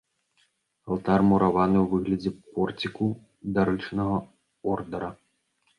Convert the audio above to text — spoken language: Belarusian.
Алтар мураваны ў выглядзе порціку дарычнага ордара.